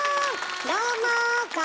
どうも。